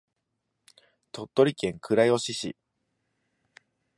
鳥取県倉吉市